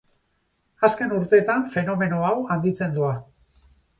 Azken urtetan fenomeno hau handitzen doa.